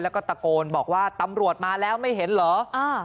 แล้วก็ตะโกนบอกว่าตำรวจมาแล้วไม่เห็นเหรอ